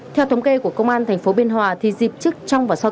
theo thống kê của công an tp biên hòa thì dịp chức trong và sau